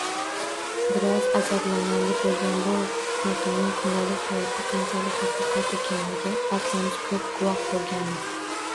Biroz ajablanarli boʻlgan bu naqlning kundalik hayotda qanchalik haqiqat ekaniga barchamiz koʻp guvoh boʻlganmiz